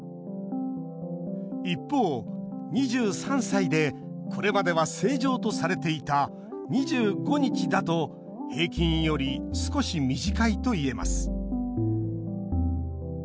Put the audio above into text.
一方２３歳でこれまでは正常とされていた２５日だと平均より少し短いといえます